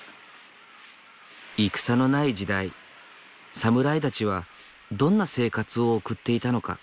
戦のない時代侍たちはどんな生活を送っていたのか。